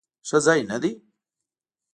ښه ځای نه دی؟